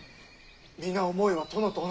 皆思いは殿と同じ。